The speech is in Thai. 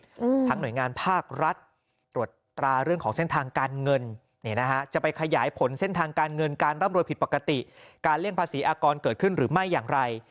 อืมทั้งหน่วยงานภาครัฐตรวจตราเรื่องของเส้นทางการเงิน